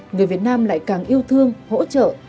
người việt nam lại càng yêu thương hỗ trợ